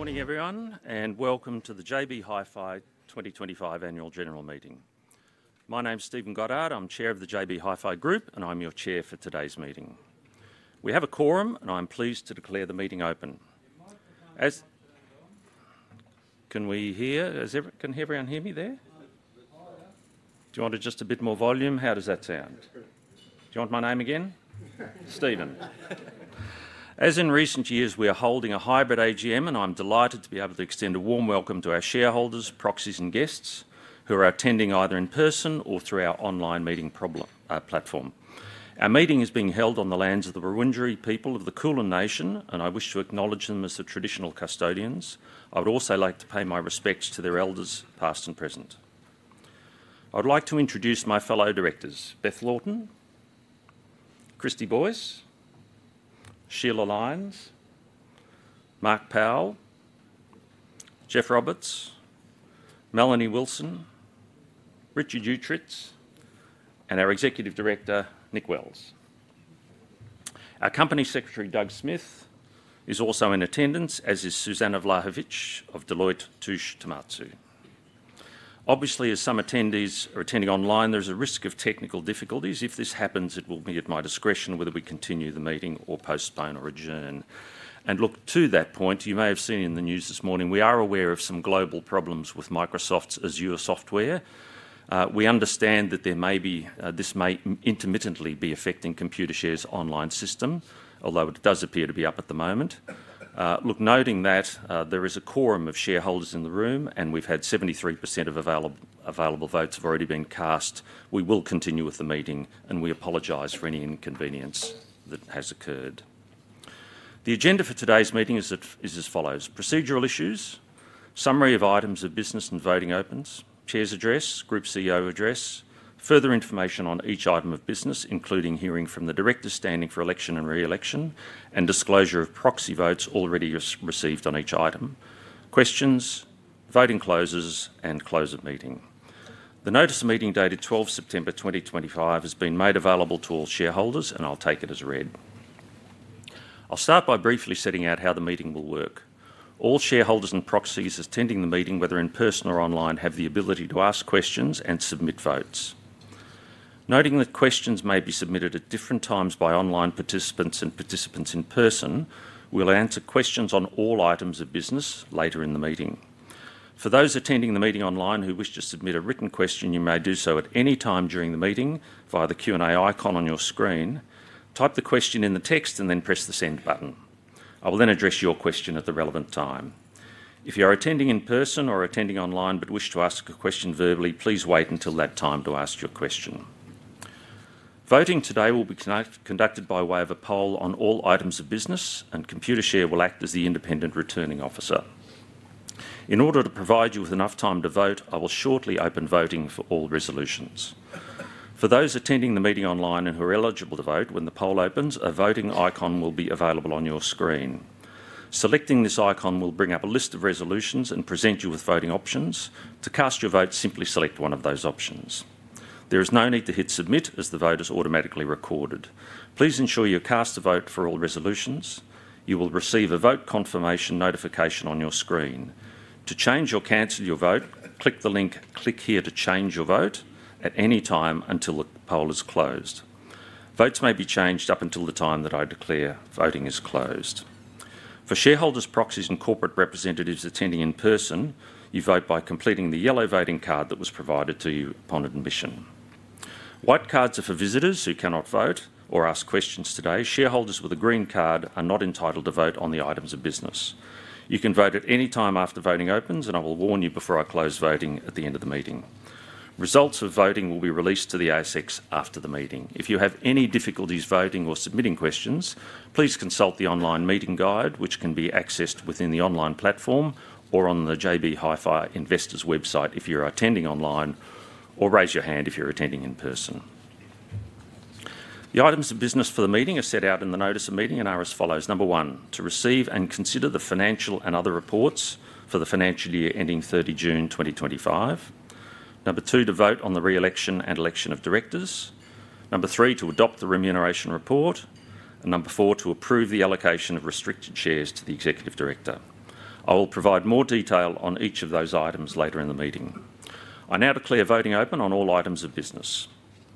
Good morning everyone and welcome to the JB Hi-Fi 2025 Annual General Meeting. My name is Stephen Goddard. I'm Chair of the JB Hi-Fi Group and I'm your Chair for today's meeting. We have a quorum and I'm pleased to declare the meeting open. Can everyone hear me there? Do you want just a bit more volume? How does that sound? Do you want my name again? Stephen. As in recent years, we are holding a hybrid AGM and I'm delighted to be able to extend a warm welcome to our shareholders, proxies, and guests who are attending either in person or through our online meeting platform. Our meeting is being held on the lands of the Wurundjeri people of the Kulin Nation and I wish to acknowledge them as the traditional custodians. I would also like to pay my respects to their elders, past and present. I would like to introduce my fellow directors Beth Laughton, Christy Boyce, Sheila Lines, Mark Powell, Geoff Roberts, Melanie Wilson, Richard Uechtritz, and our Executive Director, Nick Wells. Our Company Secretary, Doug Smith, is also in attendance, as is Suzana Vlahovic of Deloitte Touche Tohmatsu. Obviously, as some attendees are attending online, there's a risk of technical difficulties. If this happens, it will be at my discretion whether we continue the meeting or postpone or adjourn. You may have seen in the news this morning we are aware of some global problems with Microsoft's Azure software. We understand that this may intermittently be affecting Computershare's online system, although it does appear to be up at the moment. Noting that there is a quorum of shareholders in the room and we've had 73% of available votes already cast, we will continue with the meeting and we apologize for any inconvenience that has occurred. The agenda for today's meeting is as follows: Procedural issues, summary of items of business and voting opens, Chair's Address, Group CEO Address, further information on each item of business including hearing from the directors standing for election and re-election, and disclosure of proxy votes already received on each item, questions, voting closes, and close of meeting. The notice of meeting dated 12th September 2025 has been made available to all shareholders and I'll take it as read. I'll start by briefly setting out how the meeting will work. All shareholders and proxies attending the meeting, whether in person or online, have the ability to ask questions and submit votes, noting that questions may be submitted at different times by online participants and participants in person. We'll answer questions on all items of business later in the meeting. For those attending the meeting online who wish to submit a written question, you may do so at any time during the meeting via the Q&A icon on your screen. Type the question in the text and then press the Send button. I will then address your question at the relevant time. If you are attending in person or attending online but wish to ask a question verbally, please wait until that time to ask your question. Voting today will be conducted by way of a poll on all items of business and Computershare will act as the independent Returning Officer. In order to provide you with enough time to vote, I will shortly open voting for all resolutions for those attending the meeting online and who are eligible to vote. When the poll opens, a voting icon will be available on your screen. Selecting this icon will bring up a list of resolutions and present you with voting options. To cast your vote, simply select one of those options. There is no need to hit submit as the vote is automatically recorded. Please ensure you cast a vote for all resolutions. You will receive a vote confirmation notification on your screen. To change or cancel your vote, click the link. Click here to change your vote at any time until the poll is closed. Votes may be changed up until the time that I declare voting is closed. For shareholders, proxies and corporate representatives attending in person, you vote by completing the yellow voting card that was provided to you upon admission. White cards are for visitors who cannot vote or ask questions today. Shareholders with a green card are not entitled to vote on the items of business. You can vote at any time after voting opens and I will warn you before I close voting at the end of the meeting. Results of voting will be released to the ASX after the meeting. If you have any difficulties voting or submitting questions, please consult the online Meeting Guide which can be accessed within the online platform or on the JB Hi-Fi Investors website if you are attending online, or raise your hand if you're attending in person. The items of business for the meeting are set out in the Notice of Meeting and are as follows. Number one, to receive and consider the financial and other reports for the financial year ending 30 June 2025. Number two, to vote on the re-election and election of directors. Number three, to adopt the remuneration report, and number four, to approve the allocation of restricted shares to the Executive Director. I will provide more detail on each of those items later in the meeting. I now declare voting open on all items of business.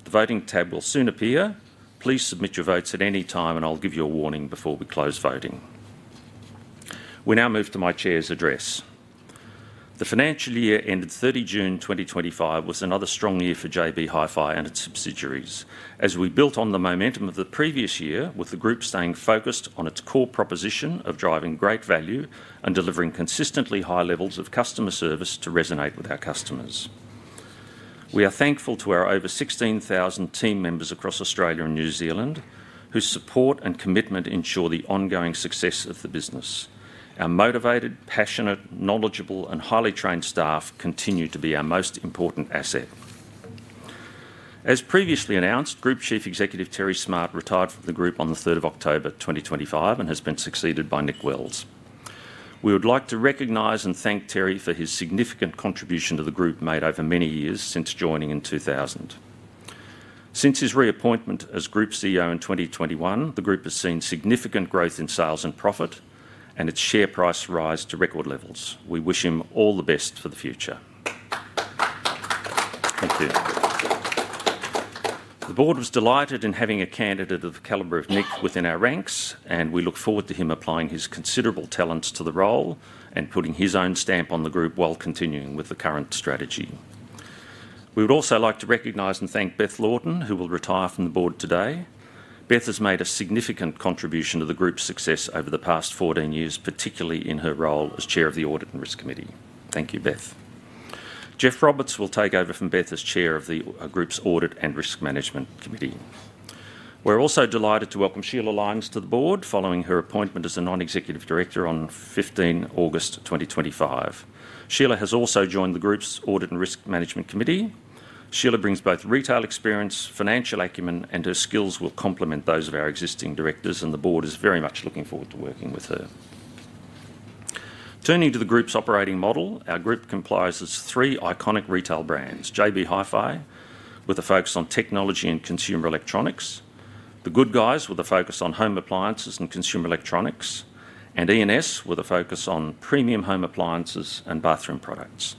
The voting tab will soon appear. Please submit your votes at any time, and I'll give you a warning before we close voting. We now move to my Chair's address. The financial year ended 30 June 2025 was another strong year for JB Hi-Fi and its subsidiaries as we built on the momentum of the previous year, with the Group staying focused on its core proposition of driving great value and delivering consistently high levels of customer service to resonate with our customers. We are thankful to our over 16,000 team members across Australia and New Zealand whose support and commitment ensure the ongoing success of the business. Our motivated, passionate, knowledgeable, and highly trained staff continue to be our most important asset. As previously announced, Group Chief Executive Terry Smart retired from the Group on the 3rd of October 2025 and has been succeeded by Nick Wells. We would like to recognize and thank Terry for his significant contribution to the Group made over many years since joining in 2000. Since his reappointment as Group CEO in 2021, the Group has seen significant growth in sales and profit and its share price rise to record levels. We wish him all the best for the future. Thank you. The Board was delighted in having a candidate of the caliber of Nick within our ranks, and we look forward to him applying his considerable talents to the role and putting his own stamp on the Group while continuing with the current strategy. We would also like to recognize and thank Beth Laughton, who will retire from the Board today. Beth has made a significant contribution to the Group's success over the past 14 years, particularly in her role as Chair of the Audit and Risk Committee. Thank you, Beth. Geoff Roberts will take over from Beth as Chair of the Group's Audit and Risk Management Committee. We're also delighted to welcome Sheila Lines to the Board following her appointment as a Non-Executive Director on 15 August 2025. Sheila has also joined the Group's Audit and Risk Management Committee. Sheila brings both retail experience and financial acumen, and her skills will complement those of our existing Directors. The Board is very much looking forward to working with her. Turning to the Group's operating model, our Group comprises three iconic retail brands: JB Hi-Fi with a focus on technology and consumer electronics, The Good Guys with a focus on home appliances and consumer electronics, and e&s with a focus on premium home appliances and bathroom products.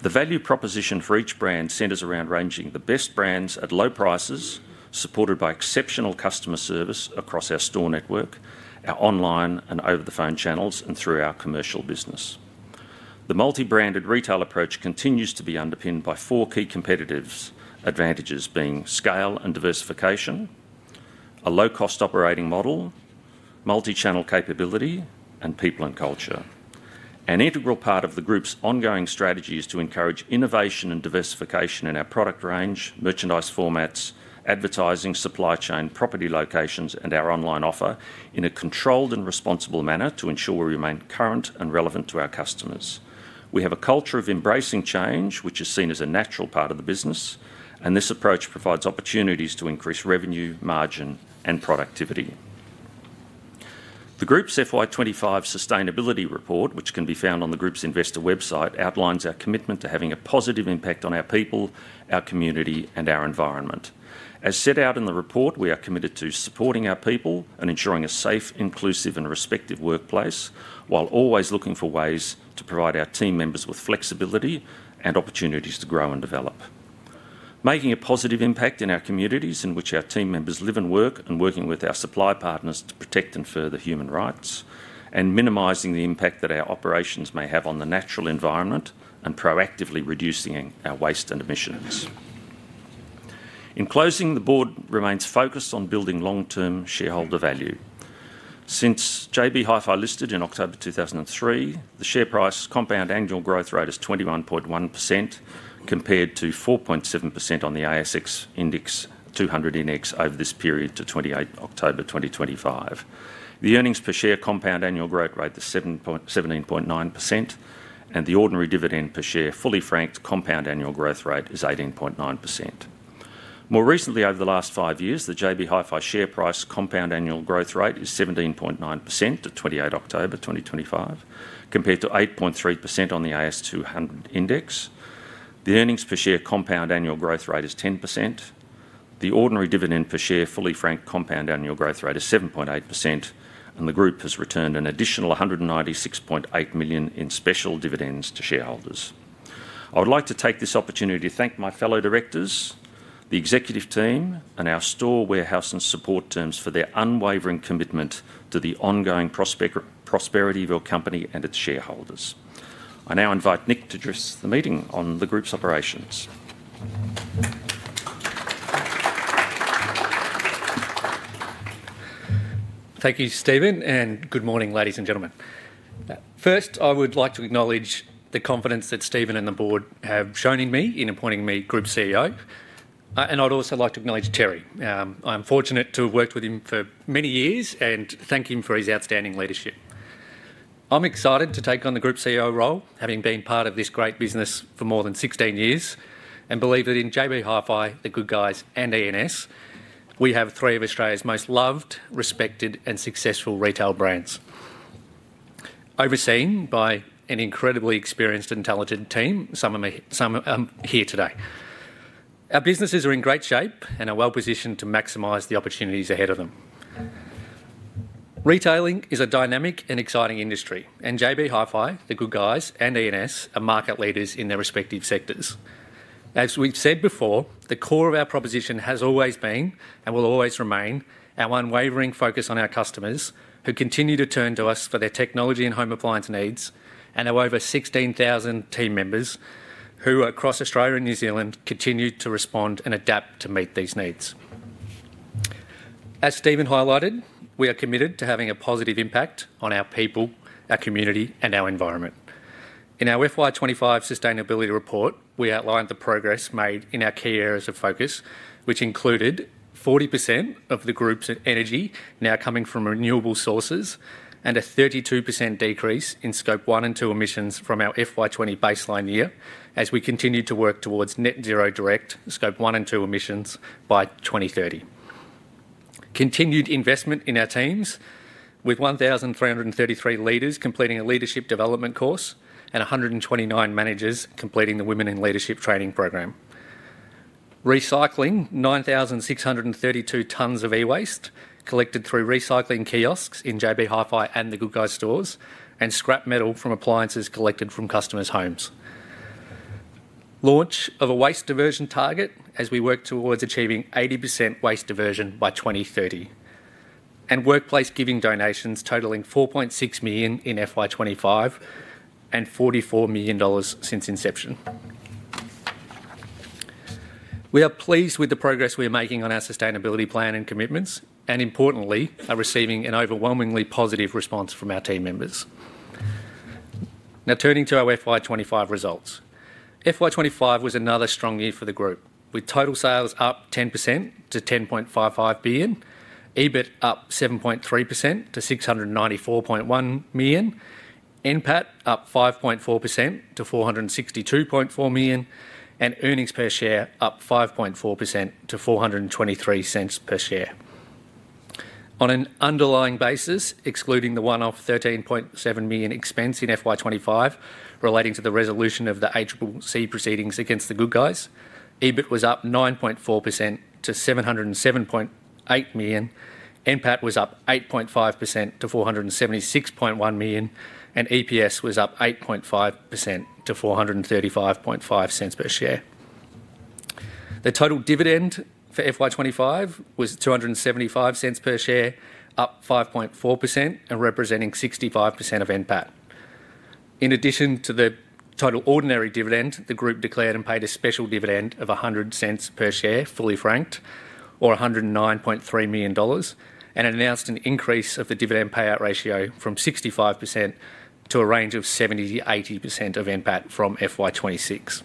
The value proposition for each brand centers around ranging the best brands at low prices, supported by exceptional customer service across our store network, our online and over-the-phone channels, and through our commercial business. The multi-branded retail approach continues to be underpinned by four key competitive advantages: scale and diversification, a low-cost operating model, multi-channel capability, and people and culture. An integral part of the Group's ongoing strategy is to encourage innovation and diversification in our product range, merchandise formats, advertising, supply chain, property locations, and our online offer in a controlled and responsible manner to ensure we remain current and relevant to our customers. We have a culture of embracing change, which is seen as a natural part of the business, and this approach provides opportunities to increase revenue, margin, and productivity. The Group's FY 2025 Sustainability Report, which can be found on the Group's investor website, outlines our commitment to having a positive impact on our people, our community, and our environment. As set out in the report, we are committed to supporting our people and ensuring a safe, inclusive, and respectful workplace while always looking for ways to provide our team members with flexibility and opportunities to grow and develop, making a positive impact in the communities in which our team members live and work, and working with our supply partners to protect and further human rights and minimizing the impact that our operations may have on the natural environment and proactively reducing our waste and emissions. In closing, the Board remains focused on building long-term shareholder value. Since JB Hi-Fi listed in October 2003, the share price compound annual growth rate is 21.1% compared to 4.7% on the ASX 200 Index over this period to 28 October 2025. The earnings per share compound annual growth rate is 17.9% and the ordinary dividend per share fully franked compound annual growth rate is 18.9%. More recently, over the last five years, the JB Hi-Fi share price compound annual growth rate is 17.9% at 28 October 2025 compared to 8.3% on the ASX 200 Index. The earnings per share compound annual growth rate is 10%, the ordinary dividend per share fully franked compound annual growth rate is 7.8%, and the Group has returned an additional $196.8 million in special dividends to shareholders. I would like to take this opportunity to thank my fellow Directors, the executive team, and our store, warehouse, and support teams for their unwavering commitment to the ongoing prosperity of your company and its shareholders. I now invite Nick to address the meeting on the Group's operations. Thank you, Stephen, and good morning, ladies and gentlemen. First, I would like to acknowledge the confidence that Stephen and the Board have shown in me in appointing me Group CEO, and I'd also like to acknowledge Terry. I'm fortunate to have worked with him for many years and thank him for his outstanding leadership. I'm excited to take on the Group CEO role, having been part of this great business for more than 16 years, and believe that in JB Hi-Fi, The Good Guys, and e&s, we have three of Australia's most loved, respected, and successful retail brands overseen by an incredibly experienced and talented team. Some are here today. Our businesses are in great shape and are well positioned to maximize the opportunities ahead of them. Retailing is a dynamic and exciting industry, and JB Hi-Fi, The Good Guys, and e&s are market leaders in their respective sectors. As we've said before, the core of our proposition has always been and will always remain our unwavering focus on our customers, who continue to turn to us for their technology and home appliance needs, and our over 16,000 team members who across Australia and New Zealand continue to respond and adapt to meet these needs. As Stephen highlighted, we are committed to having a positive impact on our people, our community, and our environment. In our FY 2025 Sustainability Report, we outlined the progress made in our key areas of focus, which included 40% of the Group's energy now coming from renewable sources and a 32% decrease in Scope 1 and 2 emissions from our FY 2020 baseline year as we continue to work towards net zero direct Scope 1 and 2 emissions by 2030. Continued investment in our teams with 1,333 leaders completing a leadership development course and 129 managers completing the Women in Leadership training program. Recycling 9,632 tonnes of e-waste collected through recycling kiosks in JB Hi-Fi and The Good Guys stores and scrap metal from appliances collected from customers' homes. Launch of a waste diversion target as we work towards achieving 80% waste diversion by 2030 and workplace giving donations totaling $4.6 million in FY 2025 and $44 million since inception. We are pleased with the progress we are making on our sustainability plan and commitments and, importantly, are receiving an overwhelmingly positive response from our team members. Now turning to our FY 2025 results, FY 2025 was another strong year for the group with total sales up 10% to $10.55 billion, EBIT up 7.3% to $694.1 million, NPAT up 5.4% to $462.4 million, and earnings per share up 5.4% to $4.23 per share on an underlying basis excluding the one-off $13.7 million expense in FY 2025 relating to the resolution of the ACCC proceedings against The Good Guys. EBIT was up 9.4% to $707.8 million, NPAT was up 8.5% to $476.1 million, and EPS was up 8.5% to $4.355 per share. The total dividend for FY 2025 was $2.75 per share, up 5.4% and representing 65% of NPAT. In addition to the total ordinary dividend, the group declared and paid a special dividend of $0.10 per share fully franked, or $109.3 million, and announced an increase of the dividend payout ratio from 65% to a range of 70%-80% of NPAT from FY 2026.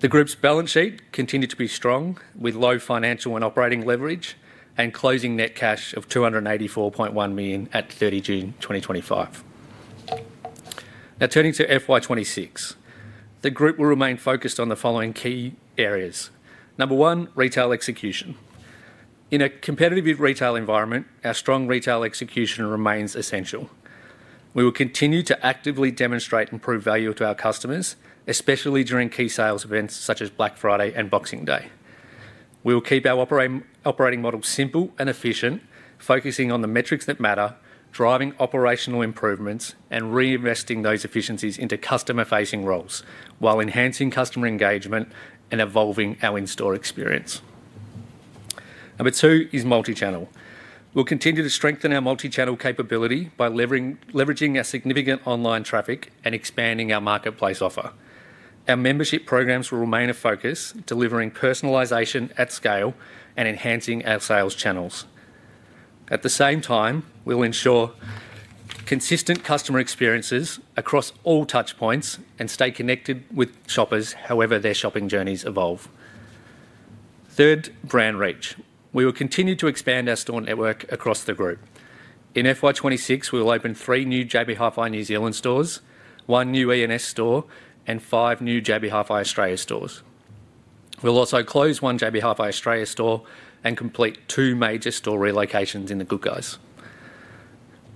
The group's balance sheet continued to be strong with low financial and operating leverage and closing net cash of $284.1 million at 30 June 2025. Now turning to FY 2026, the group will remain focused on the following key areas. Number one, Retail Execution. In a competitive retail environment, our strong retail execution remains essential. We will continue to actively demonstrate improved value to our customers, especially during key sales events such as Black Friday and Boxing Day. We will keep our operating model simple and efficient, focusing on the metrics that matter, driving operational improvements, and reinvesting those efficiencies into customer-facing roles while enhancing customer engagement and evolving our in-store experience. Number two is multi-channel. We'll continue to strengthen our multi-channel capability by leveraging our significant online traffic and expanding our marketplace offer. Our membership programs will remain a focus, delivering personalization at scale and enhancing our sales channels. At the same time, we will ensure consistent customer experiences across all touch points and stay connected with shoppers however their shopping journeys evolve. Third, Brand Reach. We will continue to expand our store network across the group. In FY 2026, we will open three new JB Hi-Fi New Zealand stores, one new e&s store, and five new JB Hi-Fi Australia stores. We'll also close one JB Hi-Fi Australia store and complete two major store relocations in The Good Guys.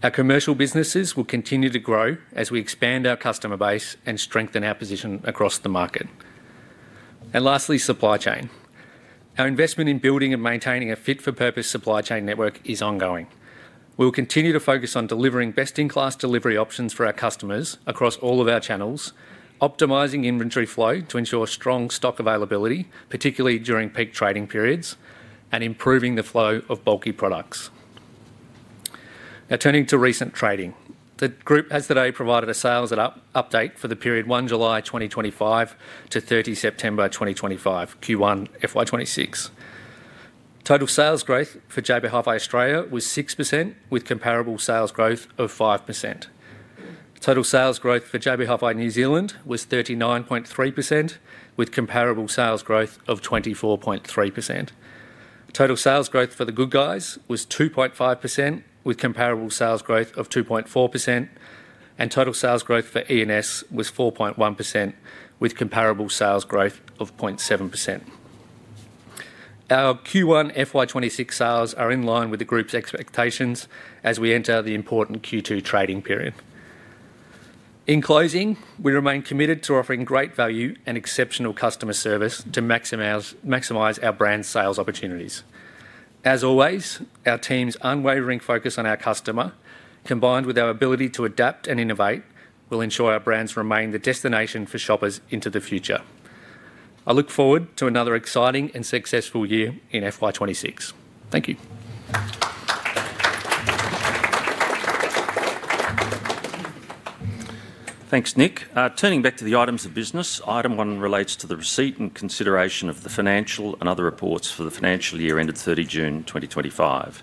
Our commercial businesses will continue to grow as we expand our customer base and strengthen our position across the market. Lastly, supply chain. Our investment in building and maintaining a fit-for-purpose supply chain network is ongoing. We will continue to focus on delivering best-in-class delivery options for our customers across all of our channels, optimizing inventory flow to ensure strong stock availability, particularly during peak trading periods, and improving the flow of bulky products. Now turning to recent trading, the Group has today provided a sales update for the period 1 July 2025 to 30 September 2025. Q1 FY 2026 total sales growth for JB Hi-Fi Australia was 6% with comparable sales growth of 5%. Total sales growth for JB Hi-Fi New Zealand was 39.3% with comparable sales growth of 24.3%. Total sales growth for The Good Guys was 2.5% with comparable sales growth of 2.4%, and total sales growth for e&s was 4.1% with comparable sales growth of 0.7%. Our Q1 FY 2026 sales are in line with the Group's expectations as we enter the important Q2 trading period. In closing, we remain committed to offering great value and exceptional customer service to maximize our brand sales opportunities. As always, our team's unwavering focus on our customer, combined with our ability to adapt and innovate, will ensure our brands remain the destination for shoppers into the future. I look forward to another exciting and successful year in FY 2026. Thank you. Thanks, Nick. Turning back to the items of business, Item 1 relates to the receipt and consideration of the financial and other reports for the financial year ended 30 June 2025.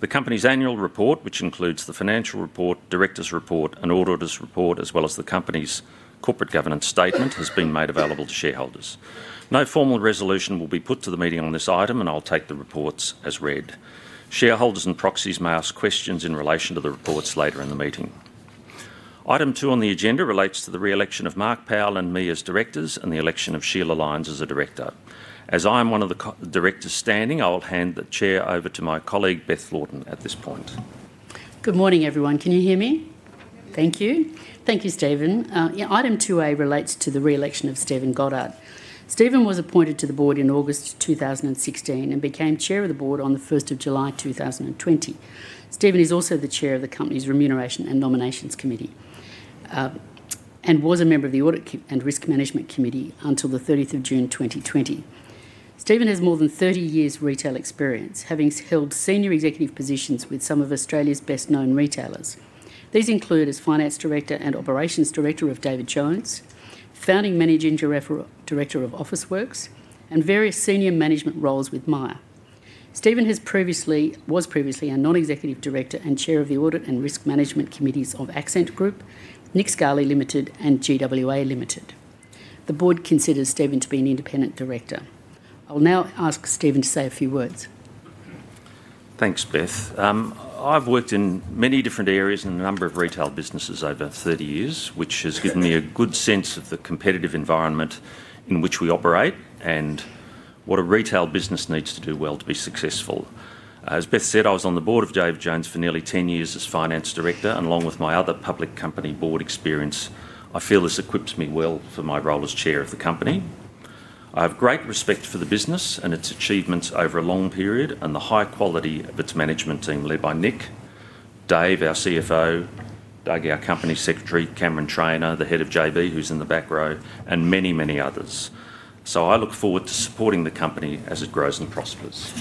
The company's annual report, which includes the Financial Report, Directors Report, and Auditors Report, as well as the Company's Corporate Governance Statement, has been made available to shareholders. No formal resolution will be put to the meeting on this item, and I'll take the reports as read. Shareholders and proxies may ask questions in relation to the reports later in the meeting. Item 2 on the agenda relates to the re-election of Mark Powell and me as Directors and the election of Sheila Lines as a Director. As I am one of the Directors standing, I will hand the Chair over to my colleague Beth Laughton at this point. Good morning, everyone. Can you hear me? Thank you. Thank you, Stephen. Item 2A relates to the re-election of Stephen Goddard. Stephen was appointed to the Board in August 2016 and became Chair of the Board on the 1st of July 2020. Stephen is also the Chair of the company's Remuneration and Nominations Committee and was a member of the Audit and Risk Management Committee until the 30th of June 2020. Stephen has more than 30 years retail experience, having held Senior Executive positions with some of Australia's best known retailers. These include as Finance Director and Operations Director of David Jones, founding Managing Director of Officeworks, and various Senior Management roles with Myer. Stephen was previously a Non-Executive Director and Chair of the Audit and Risk Management Committees of Accent Group, Nick Scali Limited, and GWA Limited. The Board considers Stephen to be an independent Director. I will now ask Stephen to say a few words. Thanks, Beth. I've worked in many different areas in a number of retail businesses over 30 years, which has given me a good sense of the competitive environment in which we operate and what a retail business needs to do well to be successful. As Beth said, I was on the board of David Jones for nearly 10 years as Finance Director, and along with my other public company board experience, I feel this equips me well for my role as Chair of the company. I have great respect for the business and its achievements over a long period and the high quality of its management team led by Nick, David, our CFO, Doug, our Company Secretary, Cameron Trainor, the Head of JB who's in the back row, and many, many others. I look forward to supporting the company as it grows and prospers.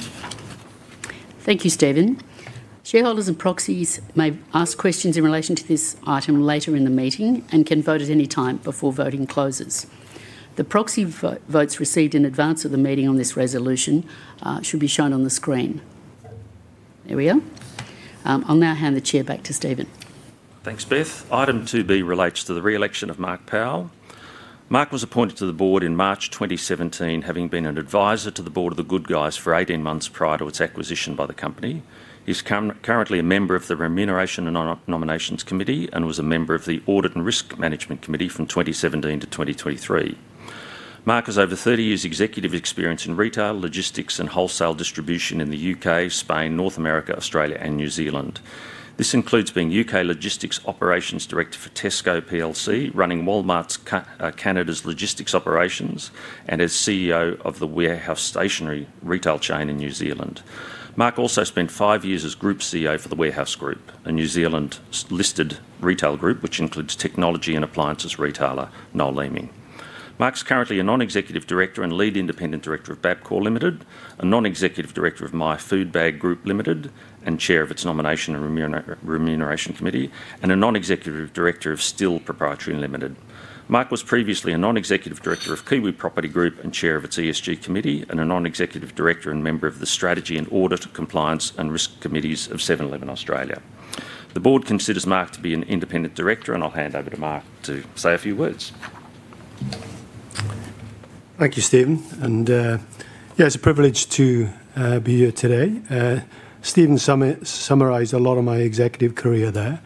Thank you, Stephen. Shareholders and proxies may ask questions in relation to this item later in the meeting and can vote at any time. Before voting closes, the proxy votes received in advance of the meeting on this resolution should be shown on the screen. There we are. I'll now hand the Chair back to Stephen. Thanks, Beth. Item 2B relates to the re-election of Mark Powell. Mark was appointed to the Board in March 2017, having been an advisor to the Board of The Good Guys for 18 months prior to its acquisition by the Company. He's currently a member of the Remuneration and Nominations Committee and was a member of the Audit and Risk Management Committee from 2017-2023. Mark has over 30 years' executive experience in retail, logistics, and wholesale distribution in the UK, Spain, North America, Australia, and New Zealand. This includes being UK Logistics Operations Director for Tesco plc, running Walmart Canada's logistics operations, and as CEO of the Warehouse Stationery retail chain in New Zealand. Mark also spent five years as Group CEO for The Warehouse Group, a New Zealand listed retail group which includes technology and appliances retailer Noel Leeming. Mark's currently a Non-Executive Director and Lead Independent Director of Bapcor Limited, a Non-Executive Director of My Food Bag Group Limited and Chair of its Nomination and Remuneration Committee, and a Non-Executive Director of Stihl Pty Limited. Mark was previously a Non-Executive Director of Kiwi Property Group and Chair of its ESG Committee, and a Non-Executive Director and member of the Strategy and Audit, Compliance and Risk Committees of 7-Eleven Australia. The Board considers Mark to be an independent Director and I'll hand over to Mark to say a few words. Thank you, Stephen, and yes, a privilege to be here today. Stephen summarized a lot of my executive career there,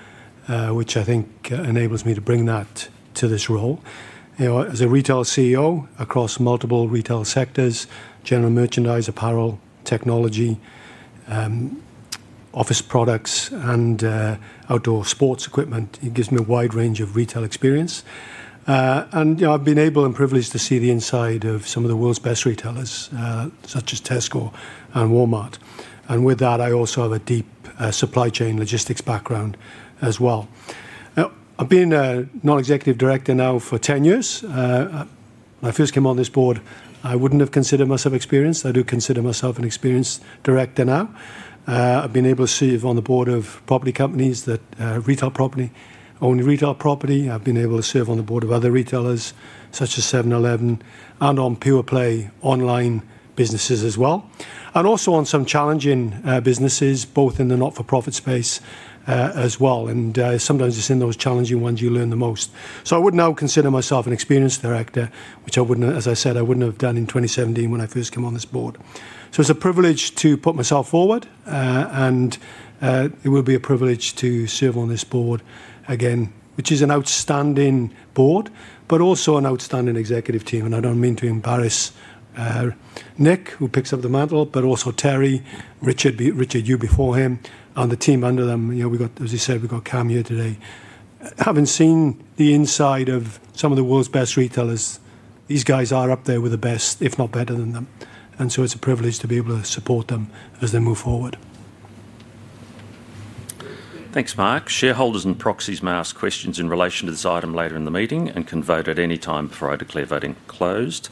which I think enables me to bring that to this role as a retail CEO across multiple retail sectors: general merchandise, apparel, technology, office products, and outdoor sports equipment. It gives me a wide range of retail experience, and I've been able and privileged to see the inside of some of the world's best retailers such as Tesco and Walmart. With that, I also have a deep supply chain logistics background as well. I've been a non-executive director now for 10 years. I first came on this board, I wouldn't have considered myself experienced. I do consider myself an experienced director now. I've been able to serve on the board of property companies that own retail property. I've been able to serve on the board of other retailers such as 7-Eleven and on pure play online businesses as well, and also on some challenging businesses both in the not-for-profit space as well. Sometimes it's in those challenging ones you learn the most. I would now consider myself an experienced director, which I wouldn't, as I said, have done in 2017 when I first came on this board. It's a privilege to put myself forward, and it will be a privilege to serve on this board again, which is an outstanding board but also an outstanding executive team. I don't mean to embarrass Nick, who picks up the mantle, but also Terry, Richard, you before him, and the team under them. As you said, we've got Cam here today. Having seen the inside of some of the world's best retailers, these guys are up there with the best, if not better than them, and it's a privilege to be able to support them as they move forward. Thanks, Mark. Shareholders and proxies may ask questions in relation to this item later in the meeting and can vote at any time before I declare voting closed.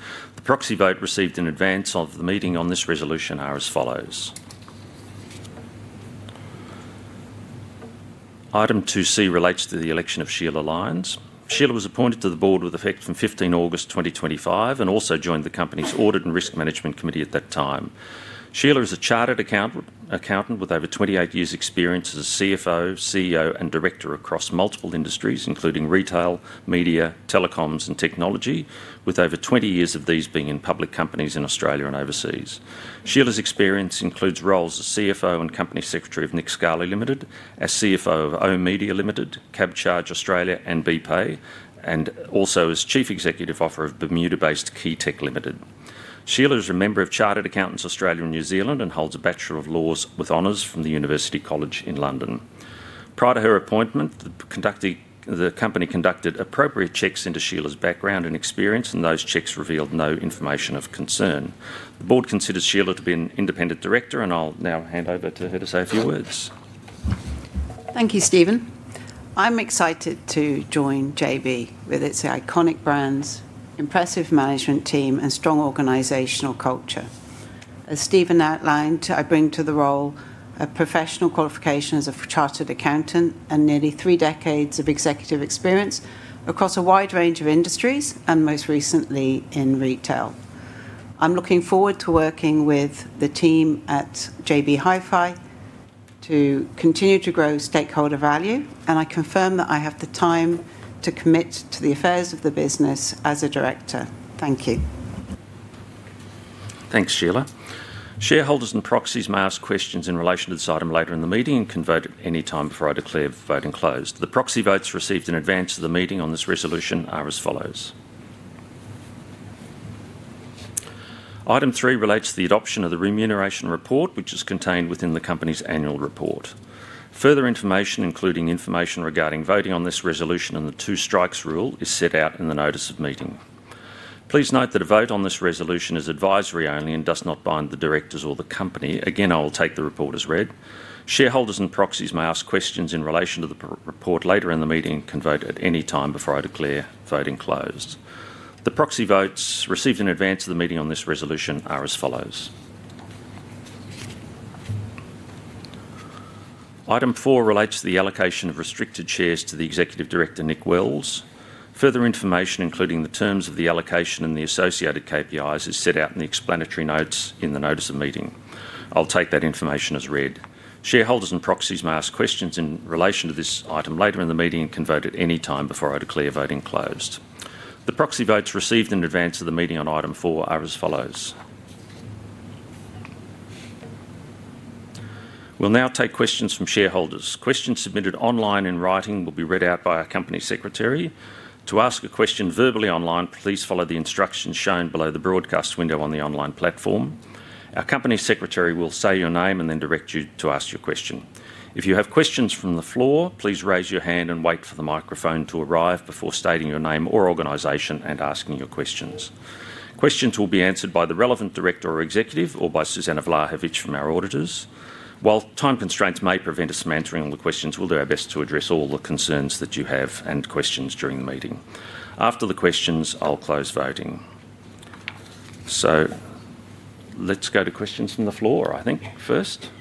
The proxy votes received in advance of the meeting on this resolution are as follows. Item 2C relates to the election of Sheila Lines. Sheila was appointed to the Board with effect from 15th August 2025 and also joined the company's Audit and Risk Management Committee at that time. Sheila is a Chartered Accountant with over 28 years' experience as CFO, CEO and Director across multiple industries including retail, media, telecoms and technology, with over 20 years of these being in public companies in Australia and overseas. Sheila's experience includes roles as CFO and Company Secretary of Nick Scali Limited, as CFO of oOh!media Limited, Cabcharge Australia and BPAY, and also as Chief Executive Officer of Bermuda-based KeyTech Limited. Sheila is a member of Chartered Accountants Australia and New Zealand and holds a Bachelor of Laws with Honours from University College London. Prior to her appointment, the company conducted appropriate checks into Sheila's background and experience and those checks revealed no information of concern. The Board considers Sheila to be an Independent Director and I'll now hand over to her to say a few words. Thank you, Stephen. I'm excited to join JB Hi-Fi with its iconic brands, impressive management team, and strong organizational culture. As Stephen outlined, I bring to the role a professional qualification as a Chartered Accountant and nearly three decades of executive experience across a wide range of industries and most recently in retail. I'm looking forward to working with the team at JB Hi-Fi to continue to grow stakeholder value, and I confirm that I have the time to commit to the affairs of the business as a Director. Thank you. Thanks, Sheila. Shareholders and proxies may ask questions in relation to this item later in the meeting and can vote at any time before I declare voting closed. The proxy votes received in advance of the meeting on this resolution are as follows. Item 3 relates to the adoption of the Remuneration Report, which is contained within the Company's annual report. Further information, including information regarding voting on this resolution and the Two Strikes Rule, is set out in the Notice of Meeting. Please note that a vote on this resolution is advisory only and does not bind the directors or the company. Again, I will take the report as read. Shareholders and proxies may ask questions in relation to the report later in the meeting and can vote at any time before I declare voting closed. The proxy votes received in advance of the meeting on this resolution are as follows. Item 4 relates to the allocation of restricted shares to the Executive Director, Nick Wells. Further information, including the terms of the allocation and the associated KPIs, is set out in the explanatory notes in the Notice of Meeting. I'll take that information as read. Shareholders and proxies may ask questions in relation to this item later in the meeting and can vote at any time before I declare voting closed. The proxy votes received in advance of the meeting on Item 4 are as follows. We'll now take questions from shareholders. Questions submitted online in writing will be read out by our Company Secretary. To ask a question verbally online, please follow the instructions shown below the broadcast window on the online platform. Our Company Secretary will say your name and then direct you to ask your question. If you have questions from the floor, please raise your hand and wait for the microphone to arrive before stating your name or organization and asking your questions. Questions will be answered by the relevant director or executive or by Suzana Vlahovic from our auditors. While time constraints may prevent us from answering all the questions, we'll do our best to address all the concerns that you have and questions during the meeting. After the questions, I'll close voting. Let's go to questions from the floor. I think first,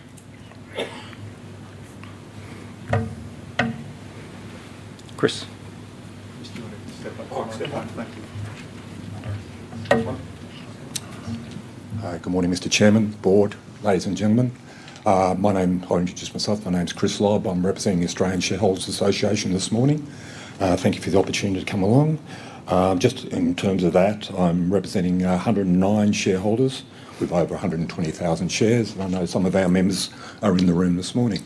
Chris. Good morning, Mr. Chairman, Board, ladies and gentlemen. My name, I'll introduce myself. My name is Chris Lobb. I'm representing the Australian Shareholders Association this morning. Thank you for the opportunity to come along. Just in terms of that, I'm representing 109 shareholders with over 120,000 shares and I know some of our members are in the room this morning.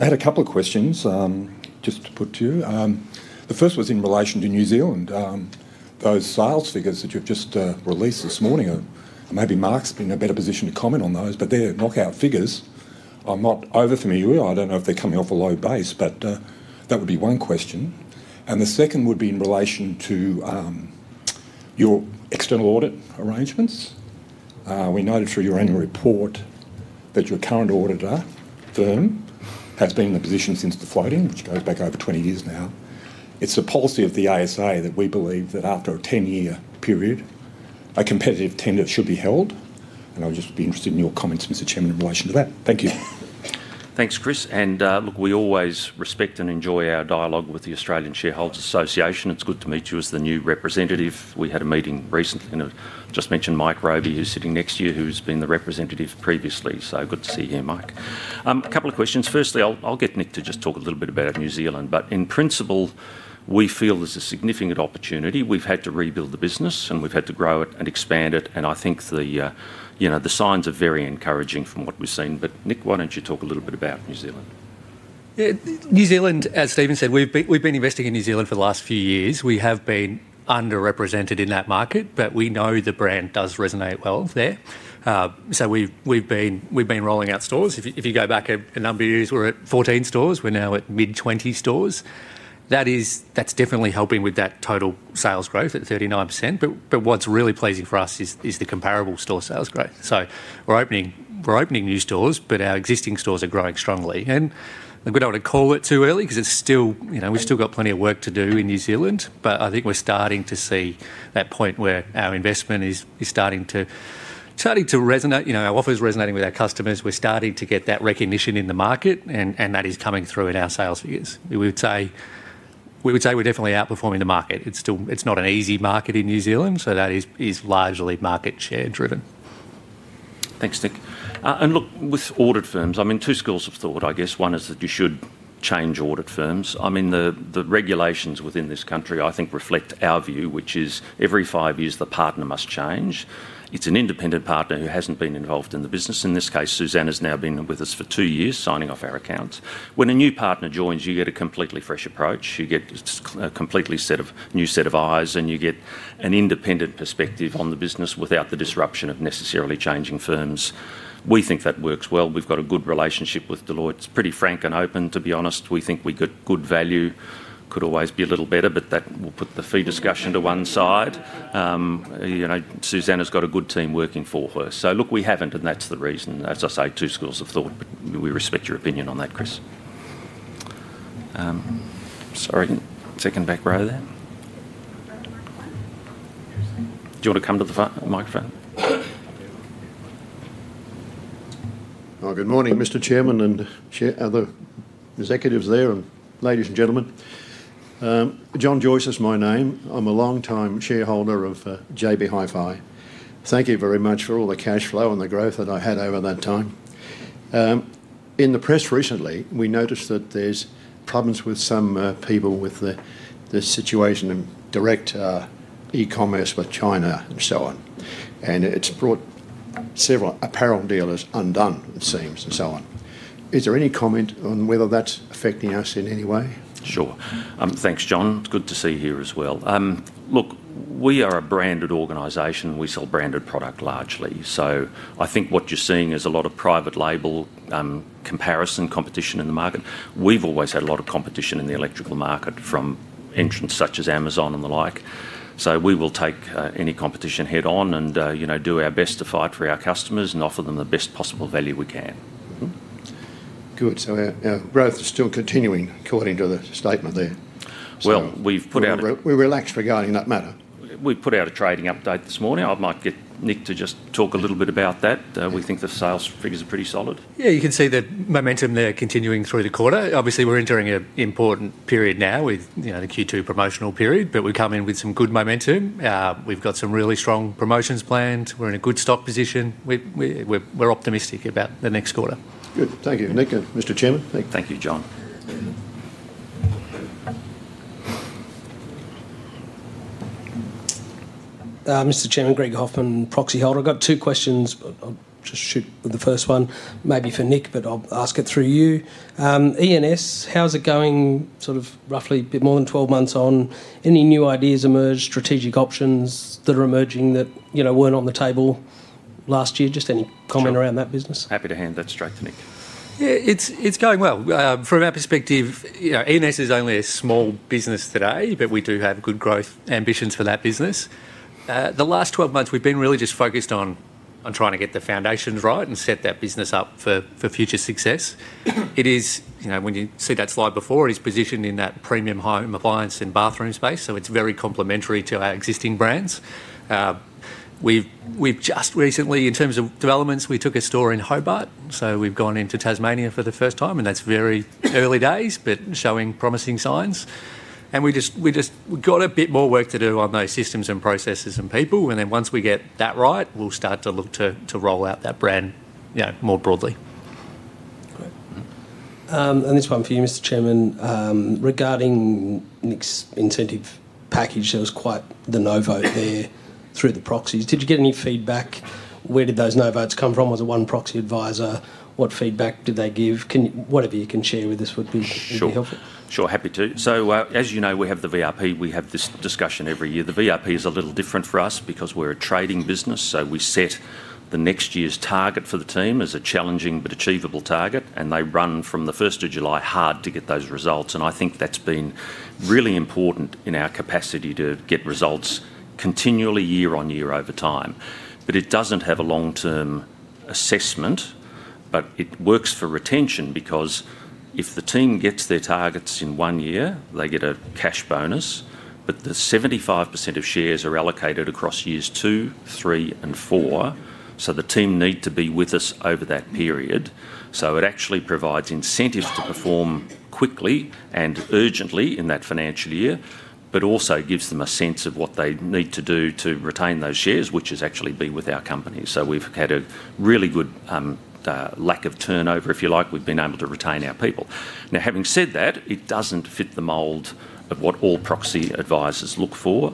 I had a couple of questions just to put to you. The first was in relation to New Zealand. Those sales figures that you've just released this morning, maybe Mark's been in a better position to comment on those, but they're knockout figures I'm not over familiar with. I don't know if they're coming off a low base, that would be one question. The second would be in relation to your external audit arrangements. We noted through your annual report that your current auditor firm has been in the position since the floating which goes back over 20 years. Now, it's the policy of the ASA that we believe that after a 10 year period a competitive tender should be held. I'd just be interested in your comments, Mr. Chairman, in relation to that. Thank you. Thanks, Chris. We always respect and enjoy our dialogue with the Australian Shareholders Association. It's good to meet you as the new representative. We had a meeting recently and just mentioned Mike Robey who's sitting next to you, who's been the representative previously. Good to see you here. Mike, a couple of questions. Firstly, I'll get Nick to just talk a little bit about New Zealand. In principle, we feel there's a significant opportunity. We've had to rebuild the business and we've had to grow it and expand it. I think the signs are very encouraging from what we've seen. Nick, why don't you talk a little bit about New Zealand? New Zealand? As Stephen said, we've been investing in New Zealand for the last few years. We have been underrepresented in that market, but we know the brand does resonate well there. We've been rolling out stores. If you go back a number of years, we were at 14 stores. We're now at mid 20 stores. That is definitely helping with that. Total sales growth at 39%. What's really pleasing for us is the comparable store sales growth. We're opening new stores, but our existing stores are growing strongly. It's too early to call it because we've still got plenty of work to do in New Zealand, but I think we're starting to see that point where our investment is starting to resonate. Our offer is resonating with our customers. We're starting to get that recognition in the market and that is coming through in our sales figures. We would say we're definitely outperforming the market. It's still not an easy market in New Zealand. That is largely market share driven. Thanks, Nick. With audit firms, I mean, two schools of thought, I guess. One is that you should change audit firms. The regulations within this country, I think, reflect our view, which is every five years, the partner must change. It's an independent partner who hasn't been involved in the business. In this case, Suzana has now been with us for two years signing off our accounts. When a new partner joins, you get a completely fresh approach, you get a completely new set of eyes, and you get independent perspective on the business without the disruption of necessarily changing firms. We think that works well. We've got a good relationship with Deloitte. It's pretty frank and open, to be honest. We think we get good value, could always be a little better. That will put the fee discussion to one side. Suzana's got a good team working for her. We haven't. That's the reason, as I say, two schools of thought. We respect your opinion on that, Chris. Sorry, second back row there. Do you want to come to the microphone? Good morning, Mr. Chairman and other executives there. Ladies and gentlemen, John Joyce is my name. I'm a longtime shareholder of JB Hi-Fi. Thank you very much for all the cash flow and the growth that I had over that time. In the press recently, we noticed that there's problems with some people with the situation in direct e-commerce with China and so on. It's brought several apparel dealers undone, it seems, and so on. Is there any comment on whether that's affecting us in any way? Sure. Thanks, John. Good to see you here as well. Look, we are a branded organization. We sell branded products largely. I think what you're seeing is a lot of private label comparison competition in the market. We've always had a lot of competition in the electrical market from entrants such as Amazon and the like. We will take any competition head on and do our best to fight for our customers and offer them the best possible value we can. Good. Our growth is still continuing, according to the statement there? We've put out. We relax regarding that matter. We put out a trading update this morning. I might get Nick to just talk a little bit about that. We think the sales figures are pretty solid. Yeah, you can see that momentum there continuing through the quarter. Obviously, we're entering an important period now with the Q2 promotional period, but we've come in with some good momentum. We've got some really strong promotions planned, we're in a good stock position, and we're optimistic about the next quarter. Good. Thank you, Nick and Mr. Chairman. Thank you, John. Mr. Chairman. Greg Hoffman, proxy holder. I've got two questions. I'll just shoot with the first one, maybe for Nick, but I'll ask it through you. e&s, how's it going? Sort of roughly a bit more than 12 months on. Any new ideas emerged, strategic options that are emerging that, you know, weren't on the table last year? Just any comment around that business? Happy to hand that straight to Nick. Yeah, it's going well from our perspective. You know, e&s is only a small business today, but we do have good growth ambitions for that business. The last 12 months we've been really just focused on trying to get the foundations right and set that business up for future success. It is, you know, when you see that slide before, positioned in that premium home appliance and bathroom space. It's very complementary to our existing brands. We've just recently, in terms of developments, took a store in Hobart, so we've gone into Tasmania for the first time. That's very early days, but showing promising signs. We just got a bit more work to do on those systems and processes and people, and then once we get that right, we'll start to look to roll out that brand more broadly. This one is for you, Mr. Chairman. Regarding Nick's incentive package, there was quite the no vote there through the proxies. Did you get any feedback? Where did those no votes come from? Was it one proxy advisor? What feedback did they give? Whatever you can share with us would be helpful. Sure, happy to. As you know, we have the VRP. We have this discussion every year. The VRP is a little different for us because we're a trading business. We set the next year's target for the team as a challenging but achievable target, and they run from July 1, hard to get those results. I think that's been really important in our capacity to get results continually, year on year, over time. It doesn't have a long-term assessment. It works for retention because if the team gets their targets in one year, they get a cash bonus. The 75% of shares are allocated across years two, three, and four, so the team need to be with us over that period. It actually provides incentives to perform quickly and urgently in that financial year, but also gives them a sense of what they need to do to retain those shares, which is actually be with our company. We've had a really good lack of turnover, if you like. We've been able to retain our people. Having said that, it doesn't fit the mold of what all proxy advisers look for.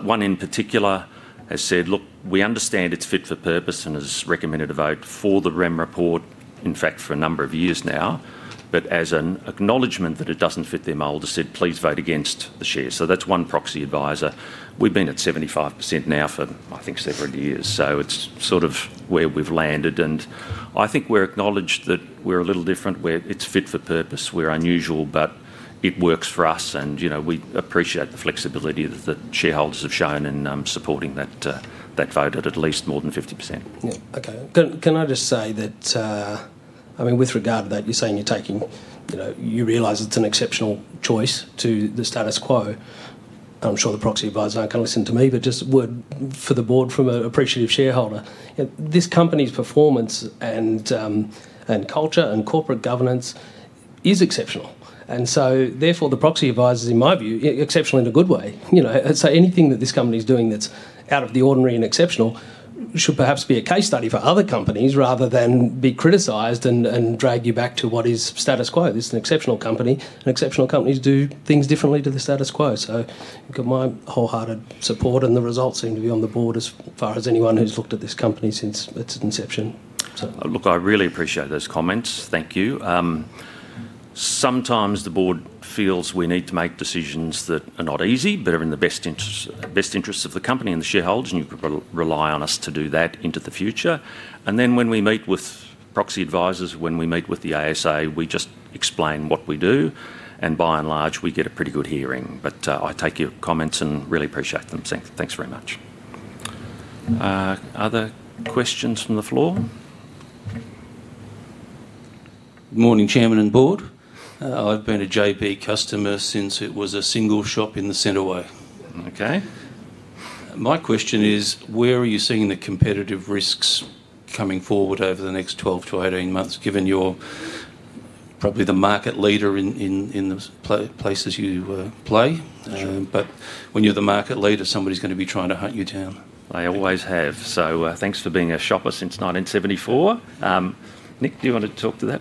One in particular has said, look, we understand it's fit for purpose and has recommended a vote for the REM report, in fact, for a number of years now, but as an acknowledgment that it doesn't fit their mold, has said, please vote against the share. That's one proxy adviser. We've been at 75% now for, I think, several years, so it's sort of where we've landed. I think we're acknowledged that we're a little different. It's fit for purpose, we're unusual, but it works for us. We appreciate the flexibility that shareholders have shown in supporting that vote, at least more than 50%. OK, can I just say that, I mean, with regard to that you're saying you're taking. You realize it's an exceptional choice to the status quo. I'm sure the proxy advisors aren't going to listen to me, but just word for the Board from an appreciative shareholder. This company's performance and culture and corporate governance is exceptional, and therefore the proxy advisors, in my view, exceptional in a good way, you know, so anything that this company is doing that's out of the ordinary and exceptional should perhaps be a case study for other companies, rather than be criticized and drag you back to what is status quo. This is an exceptional company, and exceptional companies do things differently to the status quo. You've got my wholehearted support. The results seem to be on the Board as far as anyone who's looked at this company since its inception. Look, I really appreciate those comments. Thank you. Sometimes the Board feels we need to make decisions that are not easy but are in the best interests of the company and the shareholders. You rely on us to do that into the future. When we meet with proxy advisors, when we meet with the ASA, we just explain what we do. By and large, we get a pretty good hearing. I take your comments and really appreciate them. Thanks very much. Other questions from the floor. Morning, Chairman and Board. I've been a JB customer since it was a single shop in the Centreway. My question is, where are you seeing the competitive risks coming forward over the next 12-18 months, given you're probably the market leader in the places you play, but when you're the market leader, somebody's going to be trying to hunt you down. They always have. Thanks for being a shopper since 1974. Nick, do you want to talk to that?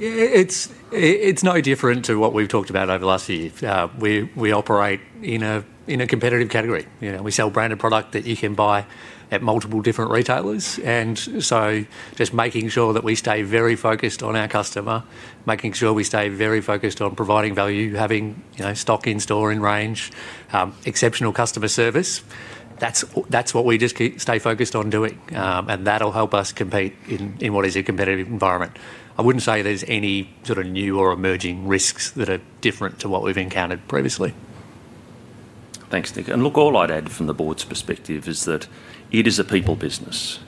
It's no different to what we've talked about over the last year. We operate in a competitive category. We sell branded product that you can buy at multiple different retailers. Just making sure that we stay very focused on our customer, making sure we stay very focused on providing value, having stock in store in range, exceptional customer service, that's what we just stay focused on doing. That'll help us compete in what is a competitive environment. I wouldn't say there's any sort of new or emerging risks that are different to what we've encountered previously. Thanks, Nick. All I'd add from the Board's perspective is that it is a people business.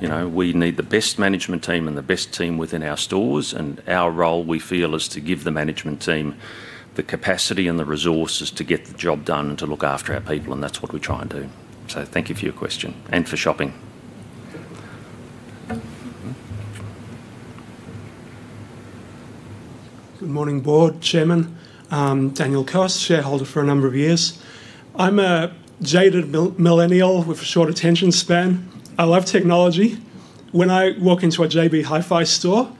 You know, we need the best management team and the best team within our stores. Our role, we feel, is to give the management team the capacity and the resources to get the job done, to look after our people. That's what we try and do. Thank you for your question and for shopping. Good morning. Board, Chairman, Daniel Coss, shareholder for a number of years. I'm a jaded millennial with a short attention span. I love technology. When I walk into a JB Hi-Fi store,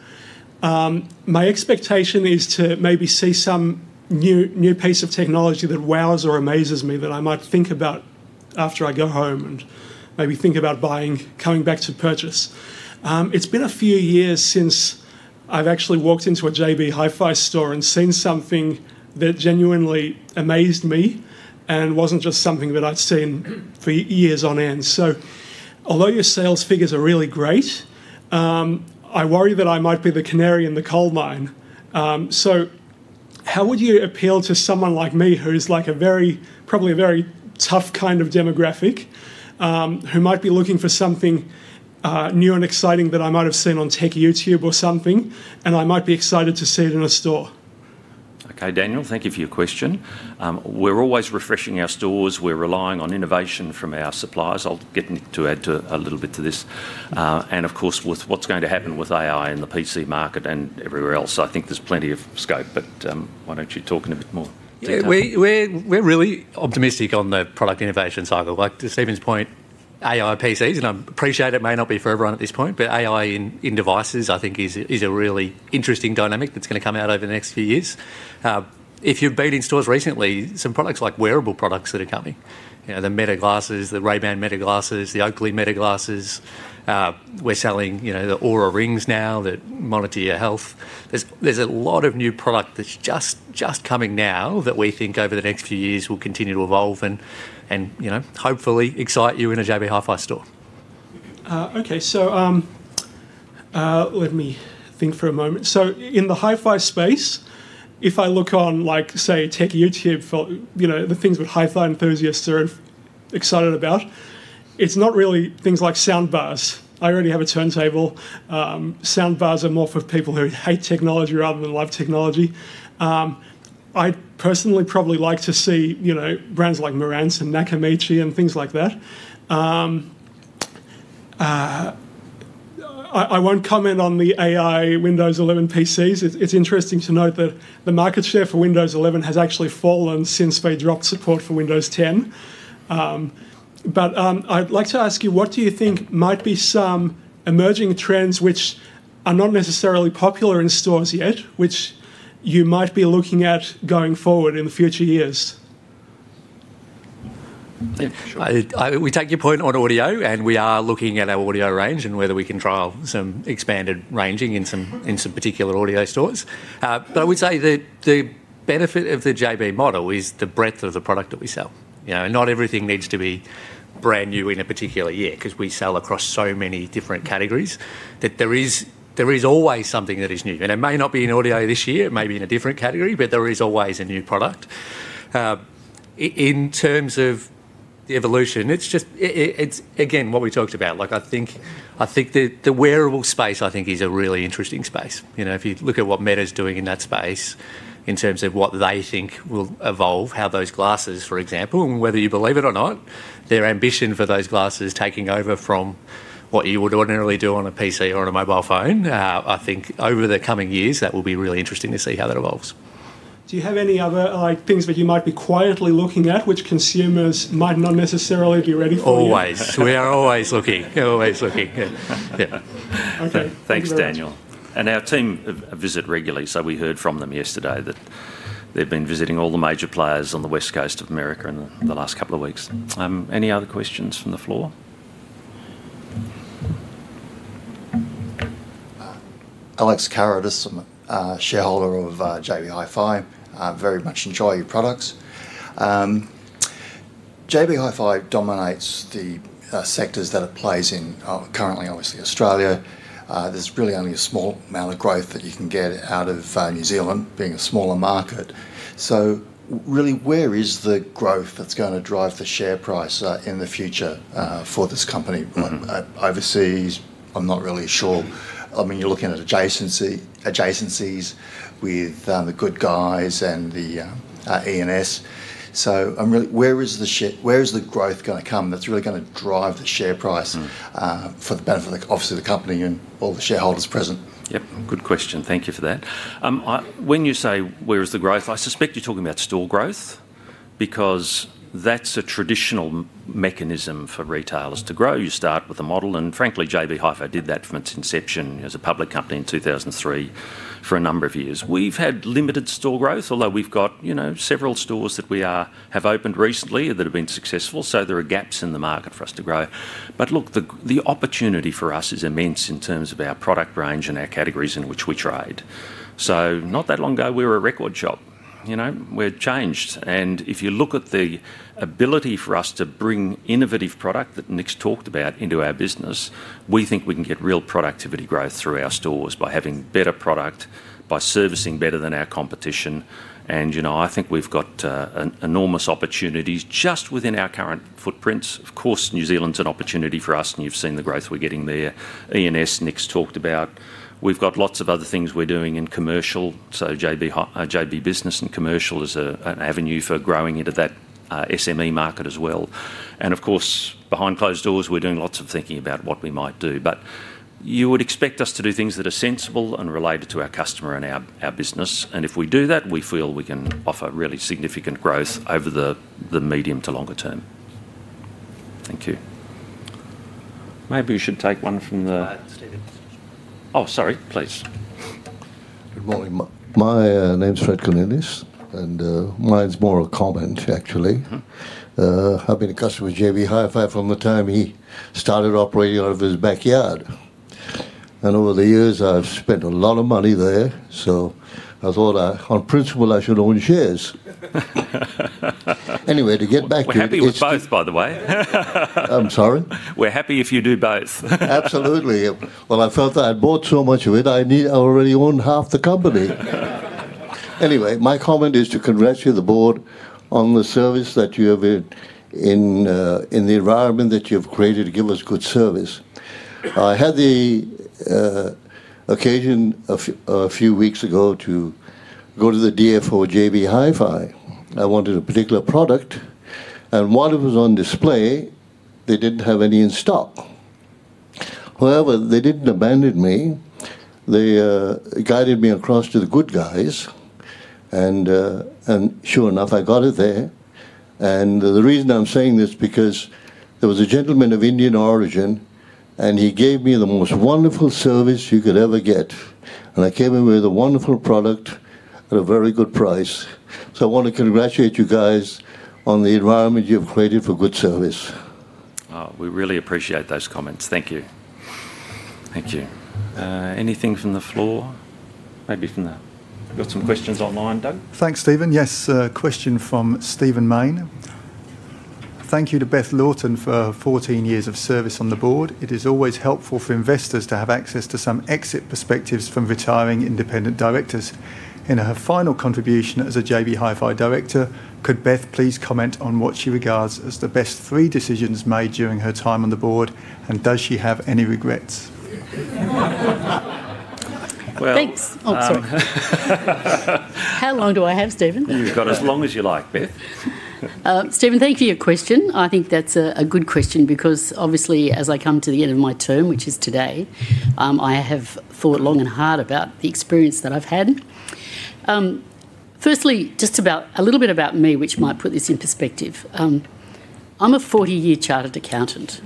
my expectation is to maybe see some new, new piece of technology that wows or amazes me that I might think about after I go home and maybe think about buying, coming back to purchase. It's been a few years since I've actually walked into a JB Hi-Fi store and seen something that genuinely amazed me and wasn't just something that I'd seen for years on end. Although your sales figures are really great, I worry that I might be the canary in the coal mine. How would you appeal to someone like me who is probably a very tough kind of demographic who might be looking for something new and exciting that I might have seen on tech YouTube or something and I might be excited to see it in a store. Okay, Daniel, thank you for your question. We're always refreshing our stores. We're relying on innovation from our suppliers. I'll get Nick to add a little bit to this. Of course, with what's going to happen with AI in the PC market and everywhere else, I think there's plenty of scope. Why don't you talk in a bit more. We're really optimistic on the product innovation cycle. Like to Stephen's point, AI PCs, and I appreciate it may not be for everyone at this point, but AI in devices I think is a really interesting dynamic that's going to come out over the next few years. If you've been in stores recently, some products like wearable products that are coming, the Meta glasses, the Ray-Ban Meta glasses, the Oakley Meta glasses. We're selling, you know, the Oura rings now that monitor your health. There's a lot of new product that's just coming now that we think over the next few years will continue to evolve and hopefully excite you in a JB Hi-Fi store. Okay, let me think for a moment. In the hi-fi space, if I look on, like, say, tech YouTube, the things that hi-fi enthusiasts are excited about, it's not really things like sound bars. I already have a turntable. Sound bars are more for people who hate technology rather than live technology. I personally probably like to see, you know, brands like Marantz and Nakamichi and things like that. I won't comment on the AI Windows 11 PCs. It's interesting to note that the market share for Windows 11 has actually fallen since they dropped support for Windows 10. I'd like to ask you what do you think might be some emerging trends which are not necessarily popular in stores yet, which you might be looking at going forward in the future years? We take your point on audio, and we are looking at our audio range and whether we can trial some expanded ranging in some particular audio stores. I would say that the benefit of the JB Hi-Fi model is the breadth of the product that we sell. Not everything needs to be brand new in a particular year because we sell across so many different categories. There is always something that is new, and it may not be in audio this year; it may be in a different category, but there is always a new product. In terms of the evolution, it's just what we talked about. I think the wearable space is a really interesting space. If you look at what Meta is doing in that space in terms of what they think will evolve, how those glasses, for example, and whether you believe it or not, their ambition for those glasses taking over from what you would ordinarily do on a PC or on a mobile phone, I think over the coming years that will be really interesting to see how that evolves. Do you have any other things that you might be quietly looking at, which consumers might not necessarily be ready for? We are always looking. Always looking. Thanks, Daniel. Our team visit regularly. We heard from them yesterday that they've been visiting all the major players on the west coast of America in the last couple of weeks. Any other questions from the floor? Alex Carradis. I'm a shareholder of JB Hi-Fi. Very much enjoy your products. JB Hi-Fi dominates the sectors that it plays in currently, obviously Australia. There's really only a small amount of growth that you can get out of New Zealand being a smaller market. Really, where is the growth that's going to drive the share price in the future for this company overseas? I'm not really sure. I mean, you're looking at adjacencies with The Good Guys and e&s. Where is the growth going to come that's really going to drive the share price for the benefit, obviously, of the company and all the shareholders present? Yep, good question. Thank you for that. When you say where is the growth? I suspect you're talking about store growth because that's a traditional mechanism for retailers to grow. You start with a model and frankly, JB Hi-Fi did that from its inception as a public company in 2003. For a number of years, we've had limited store growth, although we've got several stores that we have opened recently that have been successful. There are gaps in the market for us to grow. The opportunity for us is immense in terms of our product range and our categories in which we trade. Not that long ago we were a record shop. We've changed. If you look at the ability for us to bring innovative product that Nick's talked about into our business, we think we can get real productivity growth through our stores by having better product, by servicing better than our competition. I think we've got enormous opportunities just within our current footprints. Of course, New Zealand is an opportunity for us and you've seen the growth we're getting there. e&s Nick's talked about. We've got lots of other things we're doing in commercial. JB business and commercial is an avenue for growing into that SME market as well. Of course, behind closed doors, we're doing lots of thinking about what we might do. You would expect us to do things that are sensible and related to our customer and our business. If we do that, we feel we can offer really significant growth over the medium to longer term. Thank you. Maybe we should take one from the— Oh, sorry, please. Good morning. My name's Fred Kalindis and mine's more a comment, actually. I've been a customer with JB Hi-Fi from the time he started operating out of his backyard. Over the years I've spent a lot of money there. I thought on principle I should own shares. Anyway to get back to the. We're happy with both, by the way. I'm sorry. We're happy if you do both. Absolutely. I felt that I bought so much of it, I already owned half the company. Anyway, my comment is to congratulate the Board on the service that you have in the environment that you've created to give us good service. I had the occasion a few weeks ago to go to the DFO JB Hi-Fi. I wanted a particular product, and while it was on display, they didn't have any in stock. However, they didn't abandon me. They guided me across to The Good Guys, and sure enough, I got it there. The reason I'm saying this is because there was a gentleman of Indian origin, and he gave me the most wonderful service you could ever get. I came in with a wonderful product at a very good price. I want to congratulate you guys on the environment you've created for good service. We really appreciate those comments. Thank you. Thank you. Anything from the floor? Maybe from the—got some questions online, Doug. Thanks, Stephen. Yes. Question from Stephen Mane. Thank you to Beth Laughton. For 14 years of service on the Board, it is always helpful for investors to have access to some exit perspectives from retiring independent directors. In her final contribution as a JB Hi-Fi director, could Beth please comment on what she regards as the best three decisions made during her time on the Board, and does she have any regrets? Thanks. How long do I have, Stephen? You've got as long as you like, Beth. Stephen, thank you for your question. I think that's a good question because obviously as I come to the end of my term, which is today, I have thought long and hard about the experience that I've had. Firstly, just a little bit about me which might put this in perspective. I'm a 40 year chartered accountant.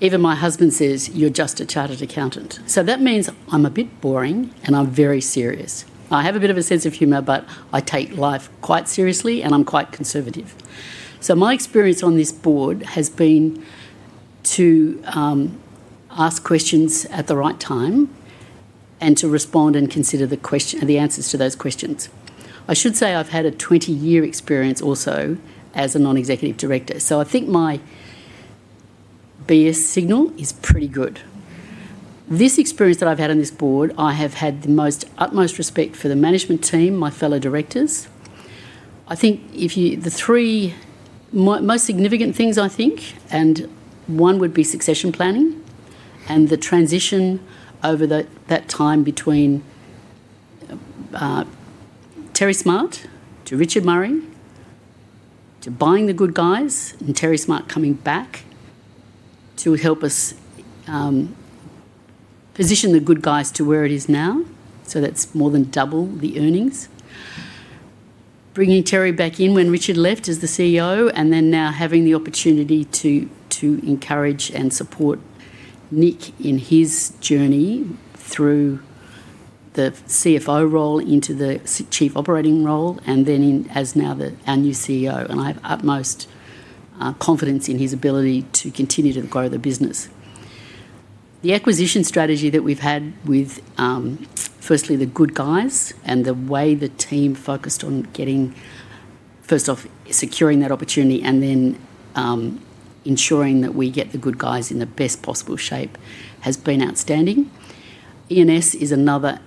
Even my husband says you're just a chartered accountant. That means I'm a bit boring and I'm very serious. I have a bit of a sense of humor but I take life quite seriously and I'm quite conservative. My experience on this Board has been to ask questions at the right time and to respond and consider the answers to those questions. I should say I've had a 20 year experience also as a non-executive director, so I think my BS signal is pretty good. This experience that I've had on this Board, I have had the utmost respect for the management team, my fellow directors. I think the three most significant things, and one would be succession planning and the transition over that time between Terry Smart to Richard Murray to buying The Good Guys and Terry Smart coming back to help us position The Good Guys to where it is now. That's more than double the earnings. Bringing Terry back in when Richard left as the CEO and then now having the opportunity to encourage and support Nick in his journey through the CFO role into the Chief Operating role and then as now our new CEO, and I have utmost confidence in his ability to continue to grow the business. The acquisition strategy that we've had with firstly The Good Guys and the way the team focused on getting first off, securing that opportunity and then ensuring that we get The Good Guys in the best possible shape has been outstanding. e&s is another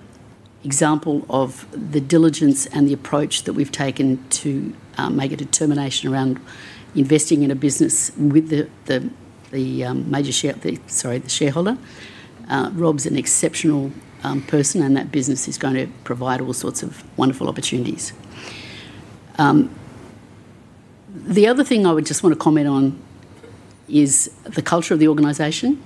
example of the diligence and the approach that we've taken to make a determination around investing in a business with the major shareholder, sorry, the shareholder, Rob's an exceptional person and that business is going to provide all sorts of wonderful opportunities. The other thing I would just want to comment on is the culture of the organization.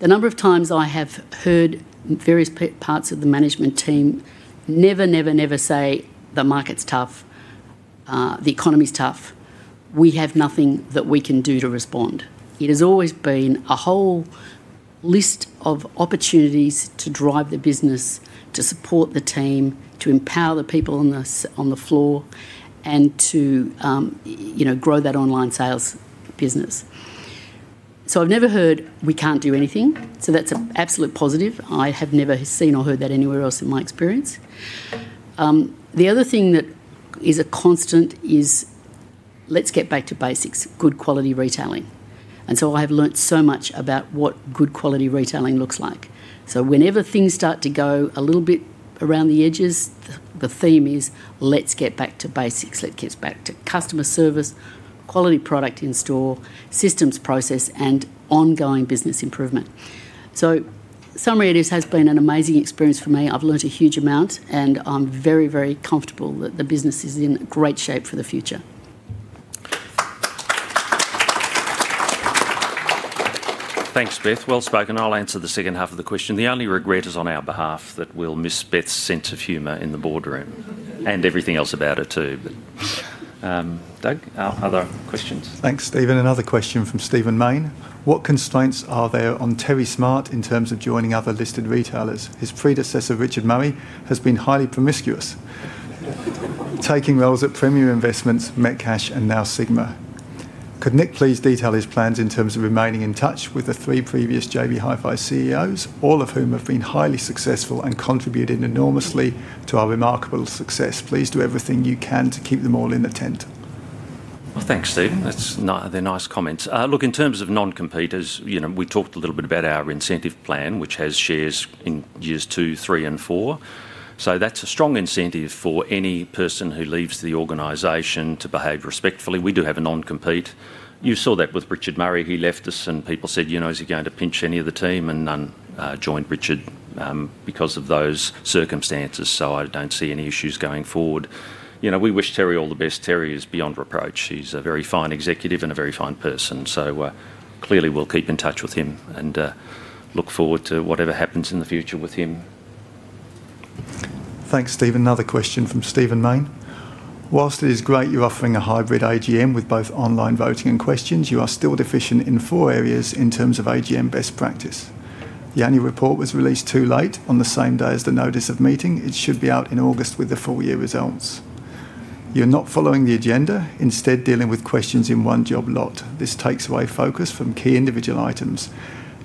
The number of times I have heard various parts of the management team never, never, never say the market's tough, the economy's tough, we have nothing that we can do to respond. It has always been a whole list of opportunities to drive the business, to support the team, to empower the people on the floor and to grow that online sales business. I've never heard we can't do anything, so that's an absolute positive. I have never seen or heard that anywhere else in my experience. The other thing that is a constant is let's get back to basics, good quality retailing. I have learned so much about what good quality retailing looks like. Whenever things start to go a little bit around the edges, the theme is let's get back to basics, let's get back to customer service, quality, product in-store systems, process, and ongoing business improvement. In summary, it has been an amazing experience for me. I've learned a huge amount and I'm very, very comfortable that the business is in great shape for this, the future. Thanks, Beth. Well spoken. I'll answer the second half of the question. The only regret is on our behalf that we'll miss Beth's sense of humor in the boardroom and everything else about her too. Doug, other questions. Thanks, Stephen. Another question from Stephen Mane. What constraints are there on Terry Smart in terms of joining other listed retailers? His predecessor, Richard Murray, has been highly promiscuous, taking roles at Premier Investments, Metcash, and now Sigma. Could Nick please detail his plans in terms of remaining in touch with the three previous JB Hi-Fi CEOs, all of whom have been highly successful and contributed enormously to our remarkable success. Please do everything you can to keep them all in the tent. Thanks, Stephen. They're nice comments. In terms of non-competes, we talked a little bit about our incentive plan which has shares in years two, three, and four. That's a strong incentive for any person who leaves the organization to behave respectfully. We do have a non-compete. You saw that with Richard Murray. He left us and people said, you know, is he going to pinch any of the team? None joined Richard because of those circumstances. I don't see any issues going forward. We wish Terry all the best. Terry is beyond reproach. He's a very fine executive and a very fine person. Clearly, we'll keep in touch with him and look forward to whatever happens in the future with him. Thanks, Stephen. Another question from Stephen Mane. Whilst it is great you're offering a hybrid AGM with both online voting and questions, you are still deficient in four areas in terms of AGM best practice. The annual report was released too late on the same day as the notice of meeting. It should be out in August with the full year results. You are not following the agenda, instead dealing with questions in one job lot. This takes away focus from key individual items.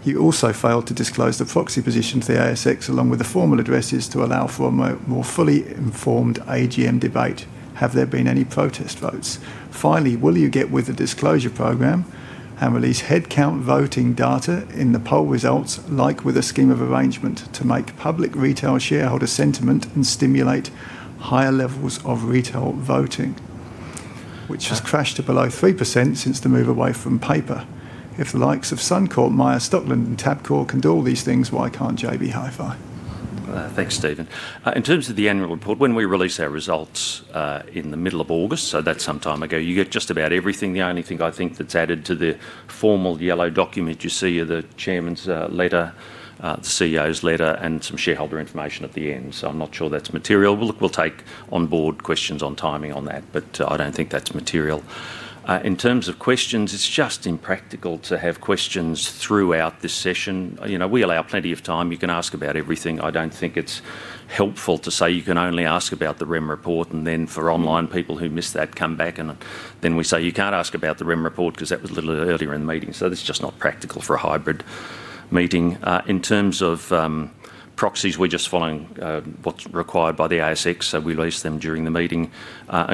You also failed to disclose the proxy position to the ASX along with the formal addresses to allow for a more fully informed AGM debate. Have there been any protest votes? Finally, will you get with the disclosure program and release headcount voting data in the poll results? Like with a scheme of arrangement to make public retail shareholder sentiment and stimulate higher levels of retail voting, which has crashed to below 3% since the move away from paper. If the likes of Suncorp, Myer, Stockland, and Tabcorp can do all these things, why can't JB Hi-Fi? Thanks, Stephen. In terms of the annual report, when we release our results in the middle of August, that's some time ago, you get just about everything. The only thing I think that's added to the formal yellow document you see are the Chairman's letters, the CEO's letter, and some shareholder information at the end. I'm not sure that's material. We'll take on board questions on timing on that, but I don't think that's material in terms of questions. It's just impractical to have questions throughout this session. We allow plenty of time. You can ask about everything. I don't think it's helpful to say you can only ask about the remuneration report and then for online people who miss that, come back and then we say you can't ask about the remuneration report because that was a little earlier in the meeting. This is just not practical for a hybrid meeting. In terms of proxies, we're just following what's required by the ASX, so we release them during the meeting.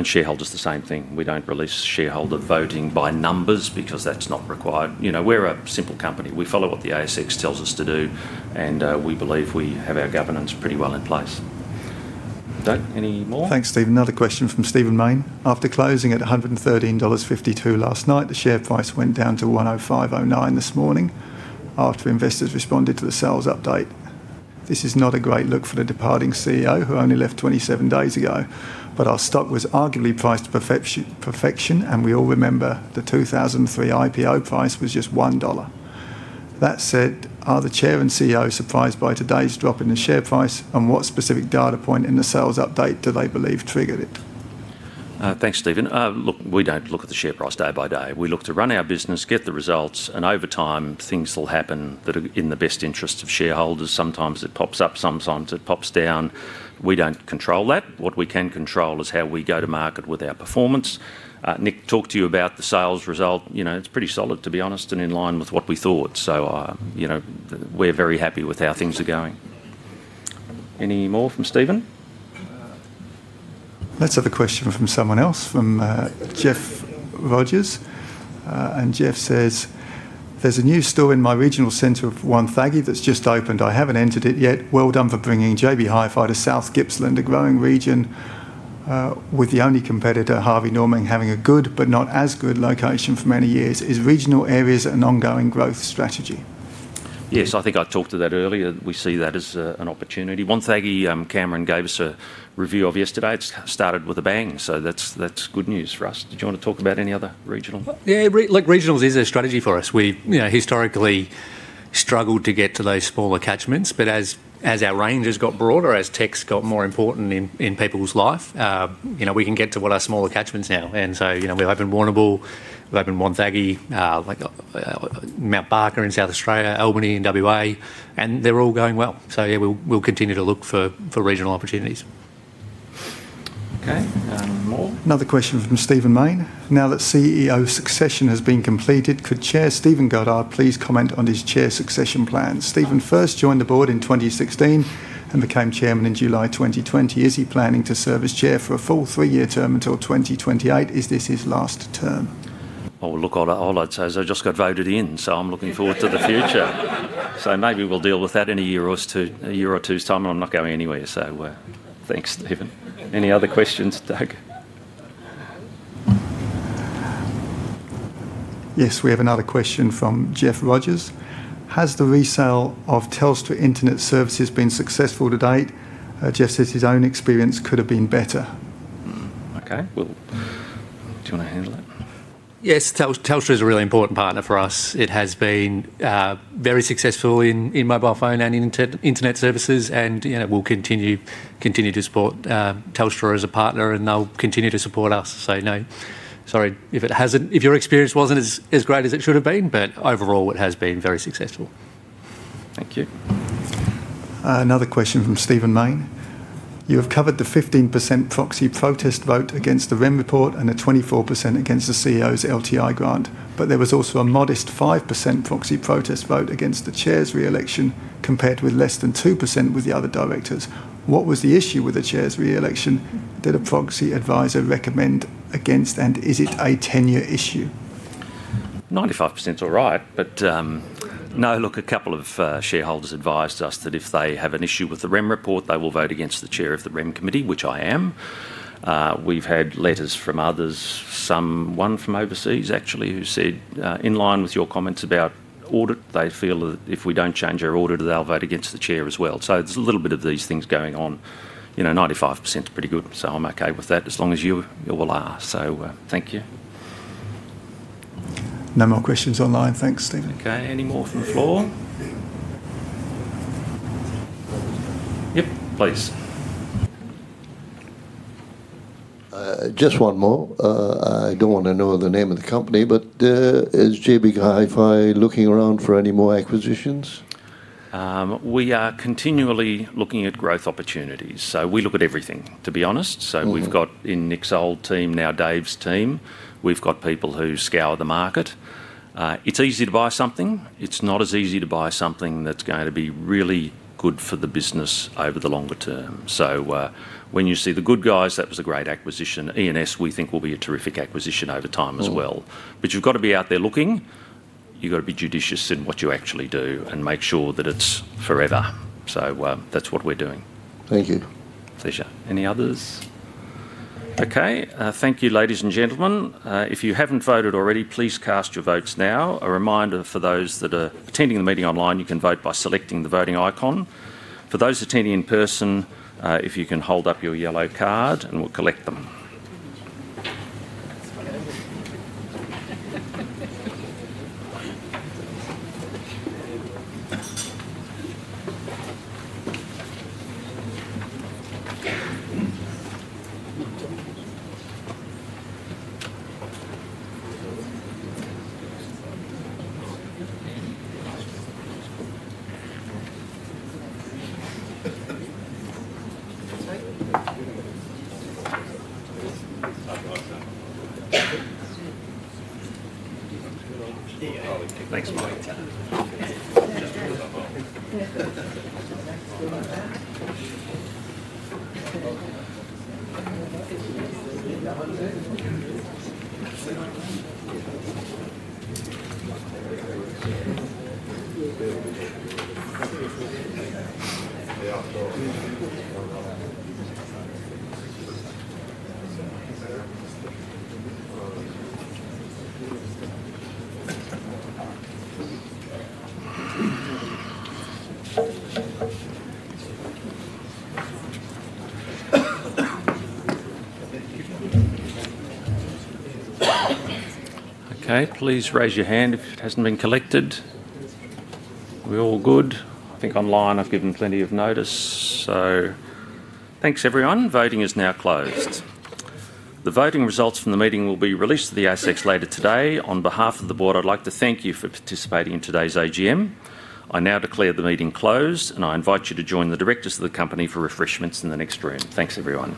Shareholders, the same thing. We don't release shareholder voting by numbers because that's not required. We're a simple company. We follow what the ASX tells us to do and we believe we have our governance pretty well in place. Any more? Thanks, Stephen. Another question from Stephen Mane. After closing at $113.52 last night, the share price went down to $105.09 this morning after investors responded to the sales update. This is not a great look for the departing CEO who only left 27 days ago, but our stock was arguably priced to perfection and we all remember the 2003 IPO price was just $1. That said, are the Chair and CEO surprised by today's drop in the share price and what specific data point in the sales update do they believe triggered it? Thanks, Stephen. Look, we don't look at the share price day by day. We look to run our business, get the results, and over time things will happen that are in the best interest of shareholders. Sometimes it pops up, sometimes it pops down. We don't control that. What we can control is how we go to market with our performance. Nick talked to you about the sales result. You know, it's pretty solid, to be honest, and in line with what we thought. We're very happy with how things are going. Any more from Stephen? That's a question from someone else from Jeff Rogers. Jeff says, there's a new store in my regional centre of Wonthaggi that's just opened. I haven't entered it yet. Well done for bringing JB Hi-Fi to South Gippsland, a growing region with the only competitor Harvey Norman having a good, but not as good, location for many years. Is regional areas an ongoing growth strategy? Yes, I think I talked to that earlier. We see that as an opportunity. One thing Geoff Roberts gave us a review of yesterday. It started with a bang, so that's good news for us. Did you want to talk about any other regional? Yeah, look, regionals is a strategy for us. We historically struggled to get to those smaller catchments, but as our range has got broader, as tech's got more important in people's life, you know, we can get to what are smaller catchments now. We're open. Warrnambool, opened, Wonthaggi, Mount Barker in South Australia, Albany in WA, and they're all going well. We'll continue to look for regional opportunities. Okay, another question from Stephen Mane. Now that CEO succession has been completed, could Chair Stephen Goddard please comment on his Chair succession plan? Stephen first joined the Board in 2016 and became Chairman in July 2020. Is he planning to serve as Chair for a full three year term until 2028? Is this his last term? All I'd say is I just got voted in, so I'm looking forward to the future. Maybe we'll deal with that in a year or two. A year or two's time and I'm not going anywhere. Thanks, Stephen. Any other questions, Doug? Yes, we have another question from Jeff Rogers. Has the resale of Telstra Internet services been successful to date? Jeff says his own experience could have been better. Okay, do you want to handle it? Yes, Telstra is a really important partner for us. It has been very successful in mobile phone and Internet services, and we'll continue to support Telstra as a partner, and they'll continue to support us. No, sorry if it hasn't, if your experience wasn't as great as it should have been. Overall, it has been very successful. Thank you. Another question from Stephen Mane. You have covered the 15% proxy protest vote against the REM report and the 24% against the CEO's LTI grant. There was also a modest 5% proxy protest vote against the Chair's re-election, compared with less than 2% with the other directors. What was the issue with the Chair's re-election? Did a proxy adviser recommend against and is it a tenure issue? 95% or right. A couple of shareholders advised us that if they have an issue with the REM report, they will vote against the Chair of the REM Committee, which I am. We've had letters from others, someone from overseas actually, who said in line with your comments about audit, they feel that if we don't change our audit, they'll vote against the Chair as well. There's a little bit of these things going on. You know, 95% is pretty good. I'm OK with that as long as you will ask. Thank you. No more questions online. Thanks, Stephen. Okay. Any more from the floor? Yep. Please. Just one more. I don't want to know the name of the company, but is JB Hi-Fi looking around for any more acquisitions? We are continually looking at growth opportunities, so we look at everything, to be honest. We've got in Nick's old team now, Dave's team. We've got people who scour the market. It's easy to buy something. It's not as easy to buy something that's going to be really good for the business over the longer term. When you see The Good Guys, that was a great acquisition. e&s, we think, will be a terrific acquisition over time as well. You've got to be out there looking. You've got to be judicious in what you actually do and make sure that it's forever. That's what we're doing. Thank you. Pleasure. Any others? Okay. Thank you. Ladies and gentlemen, if you haven't voted already, please cast your votes now. A reminder, for those that are attending the meeting online, you can vote by selecting the voting icon. For those attending in person, if you can hold up your yellow card, we'll collect them. If it's okay, please raise your hand if it hasn't been collected. We're all good, I think, online. I've given plenty of notice. Thanks, everyone. Voting is now closed. The voting results from the meeting will be released to the ASX later today. On behalf of the Board, I'd like to thank you for participating in today's AGM. I now declare the meeting closed and I invite you to join the Directors of the company for refreshments in the next room. Thanks, everyone.